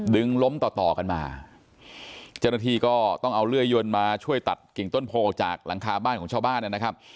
ล้มต่อต่อกันมาเจ้าหน้าที่ก็ต้องเอาเลื่อยยนมาช่วยตัดกิ่งต้นโพจากหลังคาบ้านของชาวบ้านนะครับ